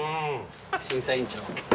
審査委員長。